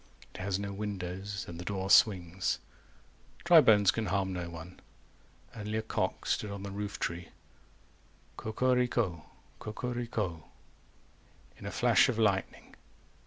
It has no windows, and the door swings, Dry bones can harm no one. 390 Only a cock stood on the roof tree Co co rico co co rico In a flash of lightning.